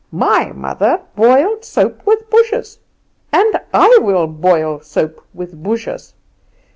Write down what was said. My mother boiled soap with bushes, and I will boil soap with bushes.